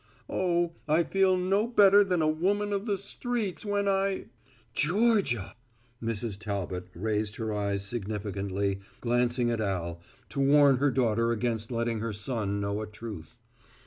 Oh, I feel no better than a woman of the streets when I " "Georgia," Mrs. Talbot raised her eyes significantly, glancing at Al, to warn her daughter against letting her son know a truth.